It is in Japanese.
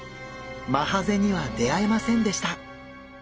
マハゼには出会えませんでした。